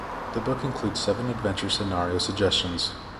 The book includes seven adventure scenario suggestions.